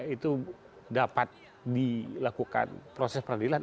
itu dapat dilakukan proses peradilan